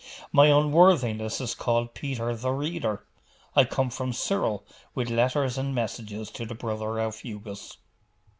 'My unworthiness is called Peter the Reader. I come from Cyril, with letters and messages to the brother Aufugus.